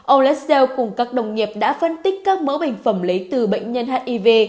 ông lassell cùng các đồng nghiệp đã phân tích các mẫu bệnh phẩm lấy từ bệnh nhân hiv